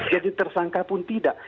jadi tersangka pun tidak